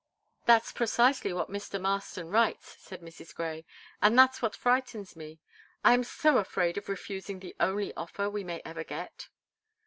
"That's precisely what Mr. Marston writes," said Mrs. Grey, "and that's what frightens me. I am so afraid of refusing the only offer we may ever get."